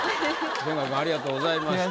千賀君ありがとうございました。